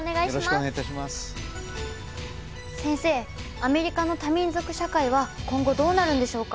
アメリカの多民族社会は今後どうなるんでしょうか？